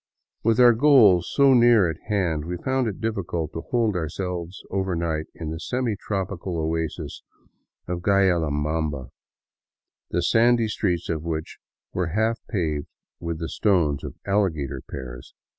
With our goal so near at hand, we found it difficult to hold our selves overnight in the semi tropical oasis of Guayllabamba, the sandy streets of which were half paved with the stones of alligator pears.